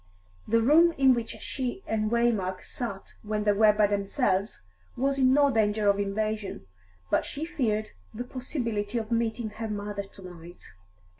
The room in which she and Waymark sat when they were by themselves was in no danger of invasion, but she feared the possibility of meeting her mother to night.